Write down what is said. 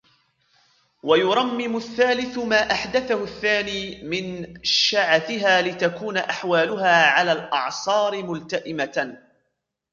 وَيُرَمِّمُ الثَّالِثُ مَا أَحْدَثَهُ الثَّانِي مِنْ شَعَثِهَا لِتَكُونَ أَحْوَالُهَا عَلَى الْأَعْصَارِ مُلْتَئِمَةً